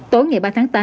tối ngày ba tháng tám